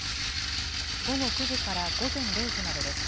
午後９時から午前０時までです。